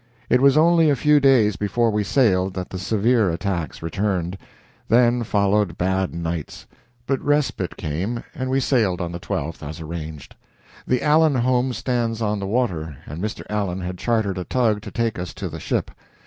It was only a few days before we sailed that the severe attacks returned. Then followed bad nights; but respite came, and we sailed on the 12th, as arranged. The Allen home stands on the water, and Mr. Allen had chartered a tug to take us to the ship.